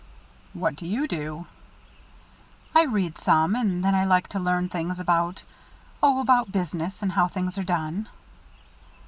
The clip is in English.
"What do you do?" "I read some, and then I like to learn things about oh, about business, and how things are done."